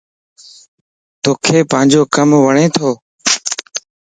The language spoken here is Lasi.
توک پانجو ڪم وڻتو؟